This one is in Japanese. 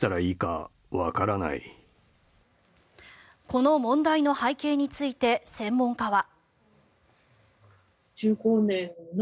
この問題の背景について専門家は。